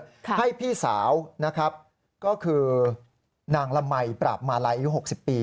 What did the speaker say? ตัวให้พี่สาวนะครับก็คือนางระมัยปราบมาลัยอยู่๖๐ปี